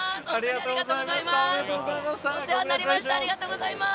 ありがとうございます！